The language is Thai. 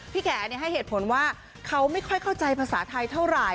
แก่ให้เหตุผลว่าเขาไม่ค่อยเข้าใจภาษาไทยเท่าไหร่